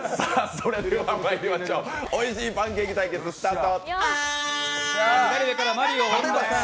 それではまいりましょう、「おいしいパンケーキ」対決スタート。